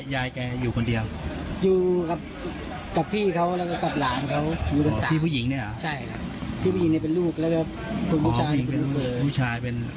ก็คิดถูกเดินใหม่เอาเขานี้จะสนิทกันไม่ได้เจอ